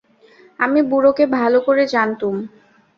আমি বুড়োকে ভালো বলে জানতুম।